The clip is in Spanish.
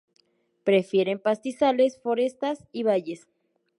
Prefieren pastizales, forestas y valles.